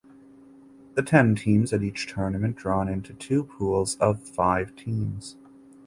The ten teams at each tournament drawn into two pools of five teams.